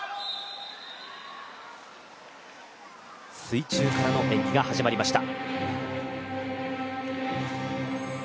水中からの演技が始まりました。